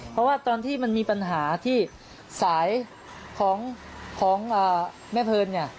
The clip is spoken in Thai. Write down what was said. เพราะว่าตอนที่มันมีปัญหาที่สายของแม่เพลินเนี่ย